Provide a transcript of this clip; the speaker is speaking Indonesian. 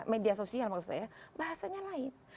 media sosial maksud saya bahasanya lain